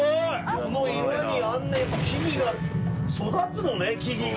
この岩にあんな木々が育つのね木々が。